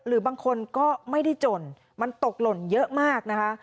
หรือบางคนก็ไม่ได้จนมันตกหล่นเยอะมากนะคะ